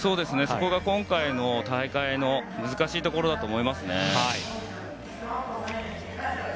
あそこが今回の大会の難しいところだと思いますね。